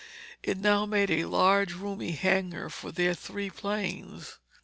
It now made a large roomy hangar, for their three planes.